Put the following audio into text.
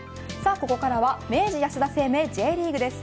ここからは明治安田生命Ｊリーグです。